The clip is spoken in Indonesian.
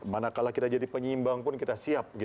manakala kita jadi penyimbang pun kita siap